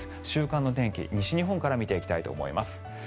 週間の天気、西日本から見ていきたいと思います。